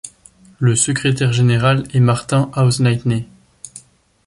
Le secrétaire général est Martin Hausleitner.